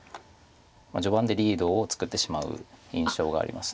序盤でリードを作ってしまう印象があります。